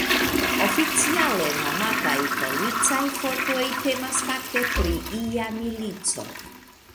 Oficiale nomataj "policaj fortoj", temas fakte pri ia milico.